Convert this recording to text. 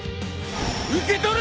受け取れ！